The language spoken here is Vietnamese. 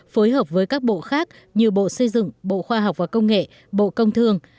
phối hợp với các bộ khác như bộ xây dựng bộ khoa học và công nghệ bộ công thương